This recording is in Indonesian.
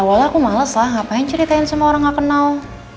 awalnya aku males lah ngapain ceritain sama orang gak kenal